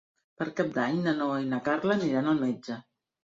Per Cap d'Any na Noa i na Carla aniran al metge.